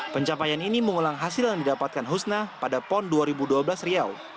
pencapaian ini mengulang hasil yang didapatkan husna pada pon dua ribu dua belas riau